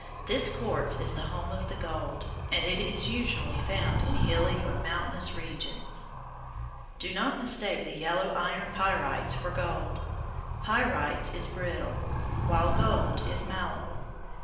This quartz is the home of the gold, and it is usually found in hilly or mountainous regions. Do not mistake the yellow iron pyrites for gold. Pyrites is brittle, while gold is malleable.